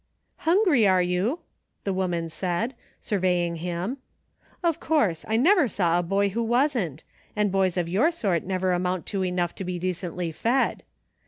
" Hungry, are you .*" the woman said, surveying him ; "of course ; I never saw a boy who wasn't ; and boys of your sort never amount to enough to be decently fed.